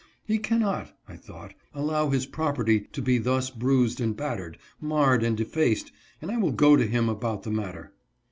"He cannot," I thought, "allow his property to be thus bruised and battered, marred and defaced, and I will go to him about the matter."